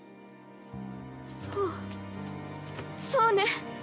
そうそうね。